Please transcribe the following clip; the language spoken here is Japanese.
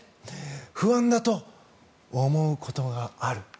不安だと思うことがある。